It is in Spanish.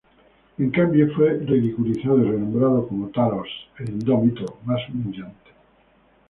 En cambio, fue ridiculizado y renombrado como Talos, el Indómito, más humillante.